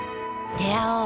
出会おう。